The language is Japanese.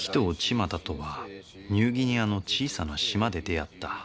万太とはニューギニアの小さな島で出会った。